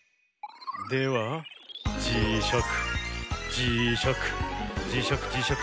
ではじしゃくじしゃくじしゃくじしゃく